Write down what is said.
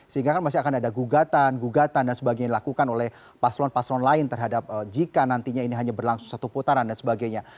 sehingga kan masih akan ada gugatan gugatan dan sebagainya dilakukan oleh paslon paslon lain terhadap jika nantinya ini hanya berlangsung satu putaran dan sebagainya